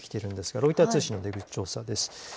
６日、ロイター通信の出口調査結果です。